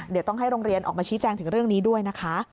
เดี๋ยวต้องให้โรงเรียนออกมาชี้แจงถึงเรื่องนี้ด้วยนะคะ